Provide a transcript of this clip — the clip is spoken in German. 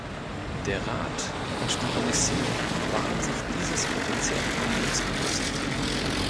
Der Rat und die Kommission waren sich dieses potenziellen Problems bewusst.